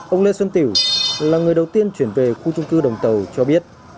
ông lê xuân tiểu là người đầu tiên chuyển về khu trung cư đồng tàu cho biết